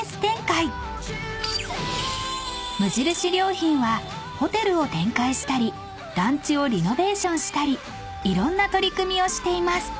［無印良品はホテルを展開したり団地をリノベーションしたりいろんな取り組みをしています］